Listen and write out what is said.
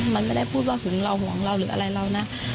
มันไม่ได้พูดว่าหึงเราห่วงเราหรืออะไรเรานะ